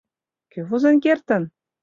Кӧ возен кертын?